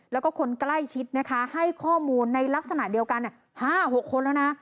แล้วก็คนใกล้ชิดนะคะให้ข้อมูลในลักษณะเดียวกัน๕๖คนแล้วนะ